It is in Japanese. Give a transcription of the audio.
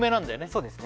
そうですね